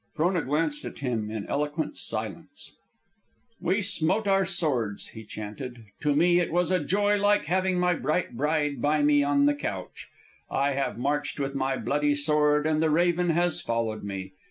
Frona glanced at him in eloquent silence. "'We smote with our swords,'" he chanted; "'_to me it was a joy like having my bright bride by me on the couch.' 'I have marched with my bloody sword, and the raven has followed me.